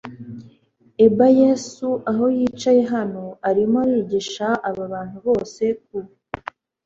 eba yesu aho yicaye hano arimo arigisha aba bantu bose ku